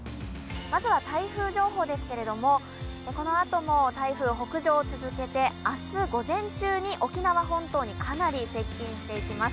まずは台風情報ですけれども、このあとも台風、北上を続けて明日、午前中に沖縄本島にかなり接近していきます。